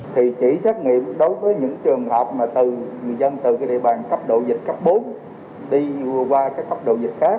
thì chỉ xét nghiệm đối với những trường hợp mà từ người dân từ cái địa bàn cấp độ dịch cấp bốn đi qua các cấp độ dịch khác